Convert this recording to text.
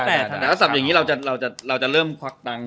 แต่ถ้าสับอย่างนี้เราจะเริ่มควักตังค์